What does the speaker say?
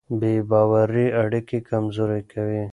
بې باورۍ اړیکې کمزورې کوي.